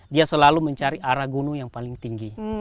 dia selalu mencari arah gunung yang paling tinggi